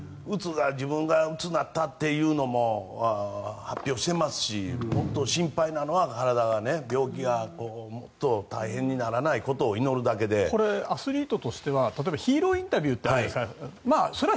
うつになったとも発表していますし心配なのは体が、病気がもっと大変にならないことをアスリートとしては例えばヒーローインタビューってあるじゃないですか。